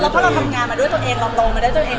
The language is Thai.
แล้วพอเราทำงานมาด้วยตัวเองเราโดนมาได้ตัวเอง